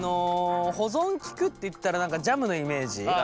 保存利くっていったら何かジャムのイメージ。